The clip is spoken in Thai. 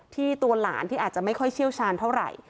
ตัวหลานที่อาจจะไม่ค่อยเชี่ยวชาญเท่าไหร่